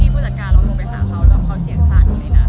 ที่ผู้จัดการฝันถูกไปหาเขาเสียงสั้น